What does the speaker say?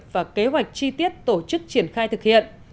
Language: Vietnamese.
và kế hoạch chi tiết tổ chức triển khai thực hiện